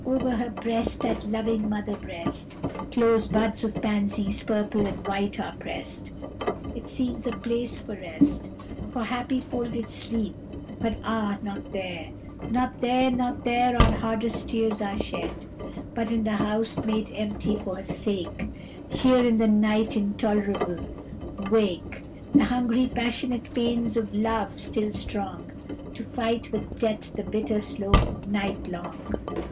Over her breast, that loving mother breast, Close buds of pansies purple and white are pressed. It seems a place for rest, For happy folded sleep; but ah, not there, Not there, not there, our hardest tears are shed, But in the house made empty for her sake. Here, in the night intolerable, wake The hungry passionate pains of Love still strong To fight with death the bitter slow night long.